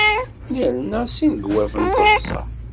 Nerna s ineggwaf taḍsa.